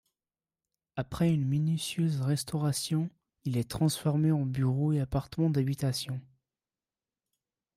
Après une minutieuse restauration il est transformé en bureaux et appartements d'habitation.